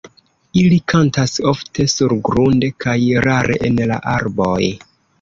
Ili kantas ofte surgrunde kaj rare en la arboj.